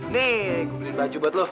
nih gue beliin baju buat lo